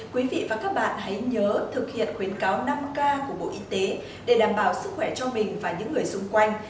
quý vị và các bạn hãy nhớ thực hiện khuyến cáo năm k của bộ y tế để đảm bảo sức khỏe cho mình và những người xung quanh